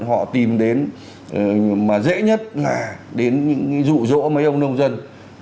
họ tìm đến mà dễ nhất là đến những cái dự án bất động sản cấp nguồn cung vào thị trường